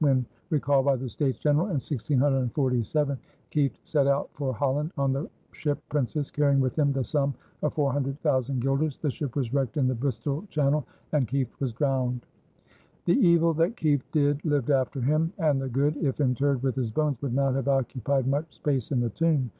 When recalled by the States General in 1647, Kieft set out for Holland on the ship Princess, carrying with him the sum of four hundred thousand guilders. The ship was wrecked in the Bristol channel and Kieft was drowned. The evil that Kieft did lived after him and the good, if interred with his bones, would not have occupied much space in the tomb.